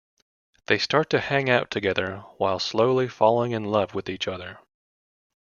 They start to hang out together while slowly falling in love with each other.